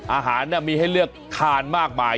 อาหารมีให้เลือกทานมากมาย